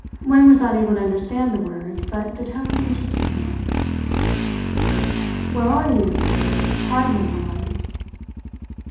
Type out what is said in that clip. Wang was not able to understand the words, but the tone interested him. "Where are you?" cried Number One.